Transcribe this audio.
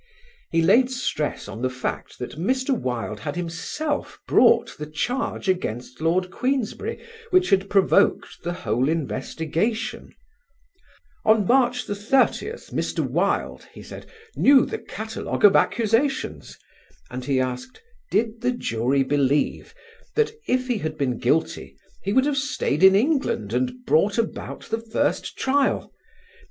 He laid stress on the fact that Mr. Wilde had himself brought the charge against Lord Queensberry which had provoked the whole investigation: "on March 30th, Mr. Wilde," he said, "knew the catalogue of accusations"; and he asked: did the jury believe that, if he had been guilty, he would have stayed in England and brought about the first trial?